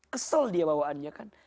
kesel dia bawaannya kan